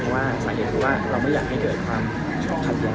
เพราะว่าสาเหตุคือว่าเราไม่อยากให้เกิดความชอบขัดแย้ง